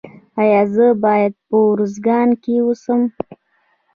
ایا زه باید په ارزګان کې اوسم؟